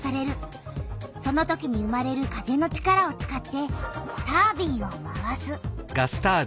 そのときに生まれる風の力を使ってタービンを回す。